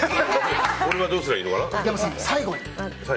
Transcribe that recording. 俺はどうすればいいのかな。